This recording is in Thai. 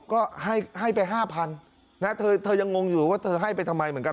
ก็ให้ไปห้าพันนะเธอยังงงอยู่ว่าเธอให้ไปทำไมเหมือนกัน